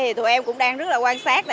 thì tụi em cũng đang rất là quan sát